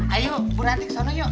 ayo bu ranti ke sana yuk